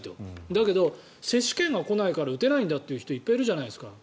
だけど接種券が来ないから打てないという人もたくさんいるじゃないですか。